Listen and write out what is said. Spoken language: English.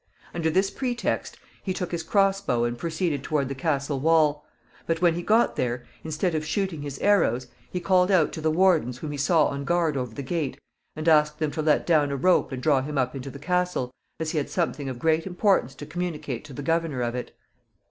Under this pretext, he took his cross bow and proceeded toward the castle wall; but when he got there, instead of shooting his arrows, he called out to the wardens whom he saw on guard over the gate, and asked them to let down a rope and draw him up into the castle, as he had something of great importance to communicate to the governor of it.